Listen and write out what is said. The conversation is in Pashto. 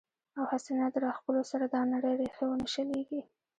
او هسې نه د راښکلو سره دا نرۍ ريښې ونۀ شليږي